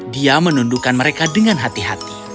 dia menundukan mereka dengan hati hati